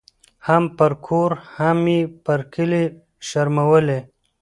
هم پر کور هم یې پر کلي شرمولې